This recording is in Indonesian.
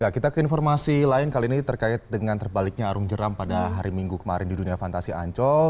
kita ke informasi lain kali ini terkait dengan terbaliknya arung jeram pada hari minggu kemarin di dunia fantasi ancol